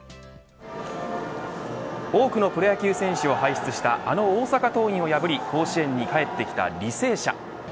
多くのプロ野球選手を輩出したあの大阪桐蔭を破り甲子園に帰ってきた履正社。